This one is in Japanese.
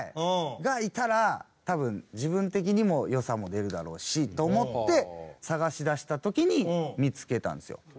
がいたら多分自分的にも良さも出るだろうしと思って探し出した時に見付けたんですよ。